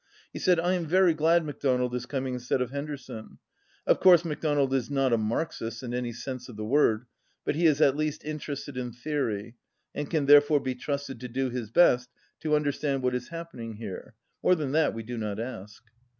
He said : "I am very glad MacDonald is coming in stead of Henderson. Of course MacDonald is not a Marxist in any sense of the word, but he is at least interested in theory, and can therefore be trusted to do his best to understand what is hap pening here. More than that we do not ask."